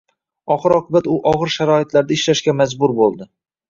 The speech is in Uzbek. Oxir-oqibat u og‘ir sharoitlarda ishlashga majbur bo‘ldi